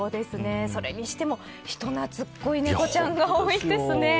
それにしても人懐っこい猫ちゃんが多いですね。